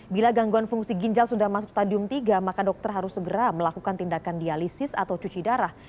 bila gangguan fungsi ginjal sudah masuk stadium tiga maka dokter harus segera melakukan tindakan dialisis atau cuci darah